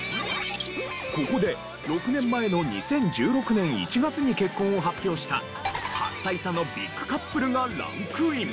ここで６年前の２０１６年１月に結婚を発表した８歳差のビッグカップルがランクイン。